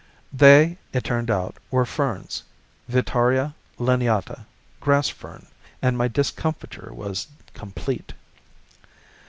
They, it turned out, were ferns (Vittaria lineata grass fern), and my discomfiture was complete.